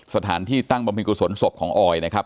สถานที่ตั้งบรรพิกุโสนนทร์ศพของออยนะครับ